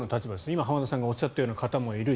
今、浜田さんがおっしゃったような方もいる。